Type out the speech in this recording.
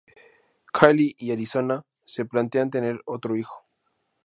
Callie y Arizona se plantean tener otro hijo.